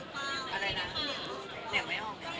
ก็ไปลองที่ไหน